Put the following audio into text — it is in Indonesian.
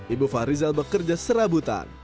ibu fahrizal bekerja serabutan